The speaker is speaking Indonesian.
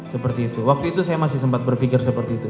seperti itu waktu itu saya masih sempat berpikir seperti itu